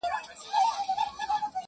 هسي نه چي یې یوې خواته لنګر وي٫